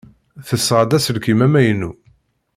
Tesɣa-d aselkim amaynu.